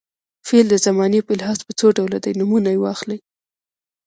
فعل د زمانې په لحاظ په څو ډوله دی نومونه واخلئ.